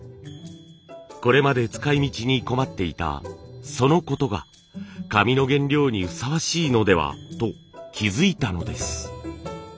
これまで使いみちに困っていたそのことが紙の原料にふさわしいのではと気付いたのです。